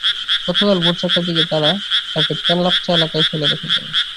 গতকাল ভোর চারটার দিকে তারা তাকে তেনাপচা এলাকায় ফেলে রেখে যায়।